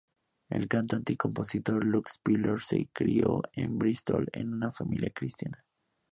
El cantante y compositor Luke Spiller se crió en Bristol en un familia cristiana.